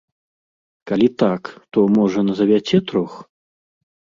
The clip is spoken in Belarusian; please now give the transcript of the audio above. Калі так, то, можа, назавяце трох.